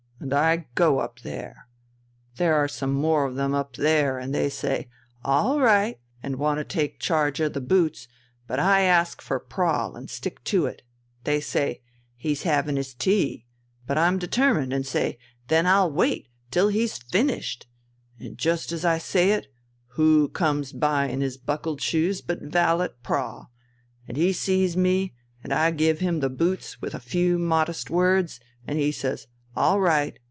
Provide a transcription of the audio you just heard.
And I go up there. There are some more of them up there, and they say 'All right!' and want to take charge of the boots, but I ask for Prahl and stick to it. They say: 'He's having his tea,' but I'm determined and say, 'Then I'll wait till he's finished.' And just as I say it, who comes by in his buckled shoes but Valet Prahl. And he sees me, and I give him the boots with a few modest words, and he says 'All right!'